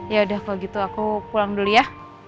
yaudah kalo gitu aku pulang dulu ya